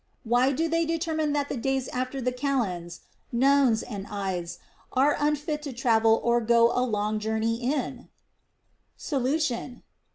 Why do they determine that the days after the Kalends, Nones, and Ides are unfit to travel or go a long journey in I Solution.